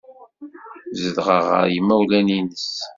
Tezdeɣ ɣer yimawlan-nnes.